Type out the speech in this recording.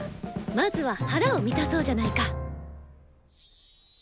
まずは腹を満たそうじゃないか！